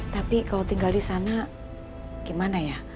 tapi kalau tinggal di sana gimana ya